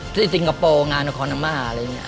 ที่สิงคโปร์งานของคอนาม่าอะไรอย่างนี้